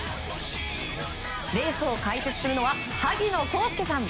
レースを解説するのは萩野公介さん。